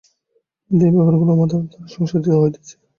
কিন্তু এই ব্যাপারগুলি আমাদ্বারাই সংসাধিত হইতেছে।